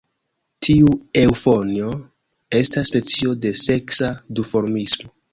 Tiu eŭfonjo estas specio de seksa duformismo.